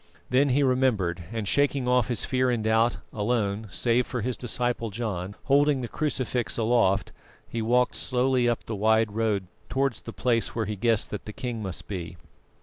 Then he remembered, and shaking off his fear and doubt, alone, save for his disciple John, holding the crucifix aloft, he walked slowly up the wide road towards the place where he guessed that the king must be.